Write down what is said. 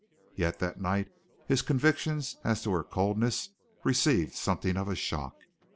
Yet that night his convictions as to her coldness received something of a shock.